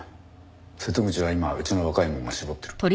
瀬戸口は今うちの若い者が絞ってる。